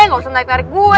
nggak usah narik narik gue